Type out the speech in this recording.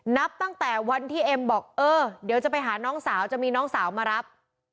นับตั้งแต่วันที่เอ็มบอกเออเดี๋ยวจะไปหาน้องสาวจะมีน้องสาวมารับ